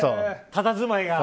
たたずまいが。